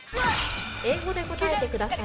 ［英語で答えてください］